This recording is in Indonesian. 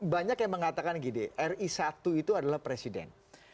banyak yang mengatakan gini ri satu itu adalah presiden